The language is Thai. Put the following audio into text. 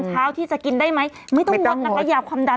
พล้าที่จะกินได้ไหมไม่ต้องมดนักกระเยาะความดัน